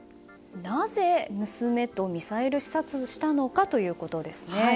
なぜ、娘とミサイル視察したのかということですね。